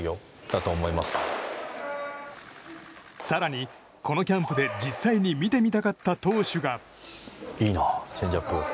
更に、このキャンプで実際に見てみたかった投手が。